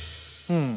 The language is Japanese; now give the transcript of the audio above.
うん。